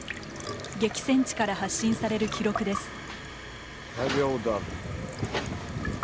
激戦地から発信される記録です。